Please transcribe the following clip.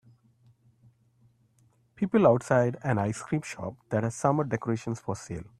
People outside an ice cream shop that has summer decorations for sale.